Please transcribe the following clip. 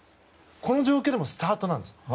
この状況でもスタートなんです。